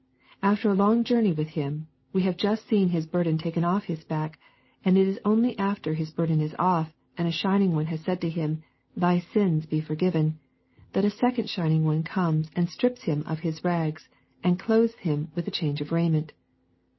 After a long journey with him, we have just seen his burden taken off his back, and it is only after his burden is off and a Shining One has said to him, Thy sins be forgiven, that a second Shining One comes and strips him of his rags and clothes him with change of raiment.